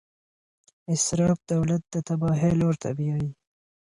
اسراف دولت د تباهۍ لور ته بیايي.